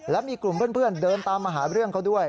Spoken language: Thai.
และมีกลุ่มเพื่อนเดินตามมาหาเรื่องเขาด้วย